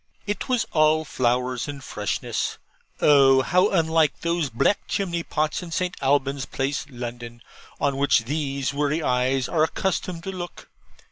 It was all flowers and freshness. Oh, how unlike those black chimney pots in St. Alban's Place, London, on which these weary eyes are accustomed to look.